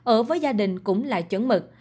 ở với gia đình cũng là chấn mực